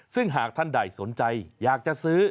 ซึ่งหากท่านใดสนใจอยากจะซื้อ